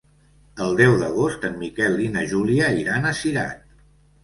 El deu d'agost en Miquel i na Júlia iran a Cirat.